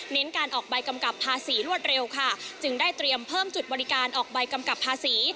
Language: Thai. การออกใบกำกับภาษีรวดเร็วค่ะจึงได้เตรียมเพิ่มจุดบริการออกใบกำกับภาษี